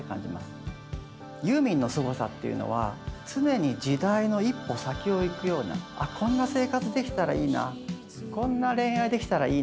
ユーミンのすごさっていうのは常に時代の一歩先を行くようなあこんな生活できたらいいなこんな恋愛できたらいいなみたいな